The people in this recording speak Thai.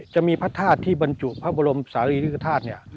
จะมีพระธาตุที่บรรจุพระบรมศาลีริกฐาตุเนี่ย